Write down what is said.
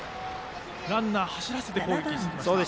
ランナーを走らせて攻撃してきました。